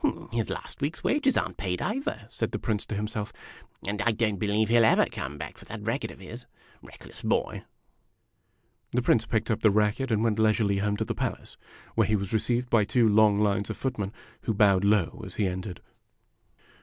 "His last week's wages are n't paid, either," said the Prince to himself; "and I don't believe he '11 ever come back for that racket of his. Reckless boy !" The Prince picked up the racket and went leisurely home to the palace, where he was received by two long lines of footmen, who bowed low as he entered.